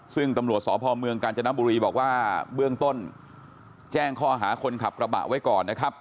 ซึ่งตำรวจสพเมืองกาญจนบุรีบอกว่าเบื้องต้นแจ้งข้อหาคนขับกระบะไว้ก่อนนะครับ